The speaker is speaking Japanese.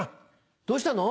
どうしたの？